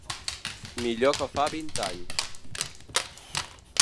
Millor que fa vint anys.